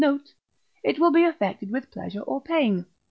note) it will be affected with pleasure or pain.